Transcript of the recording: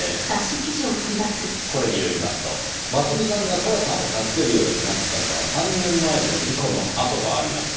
これによりますとますみさんが咲良さんを助けるようになったのは３年前の事故のあととあります。